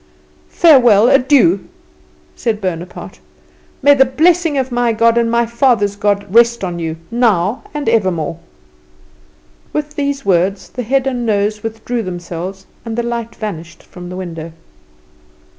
"Farewell, adieu!" said Bonaparte. "May the blessing of my God and my father's God rest on you, now and evermore." With these words the head and nose withdrew themselves, and the light vanished from the window.